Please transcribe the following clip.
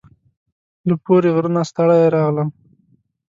له پوري غره نه ستړي راغلم